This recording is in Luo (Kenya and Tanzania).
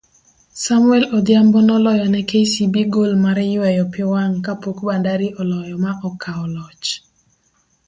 Samuel Odhiambo noloyo ne kcb gol maryweyo piwang' kapok Bandari oloyo maokao loch